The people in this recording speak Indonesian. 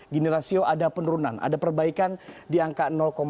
gini rasio ada penurunan ada perbaikan di angka tiga ratus delapan puluh sembilan